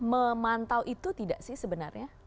memantau itu tidak sih sebenarnya